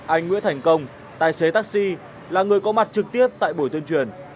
anh nguyễn thành công tài xế taxi là người có mặt trực tiếp tại buổi tuyên truyền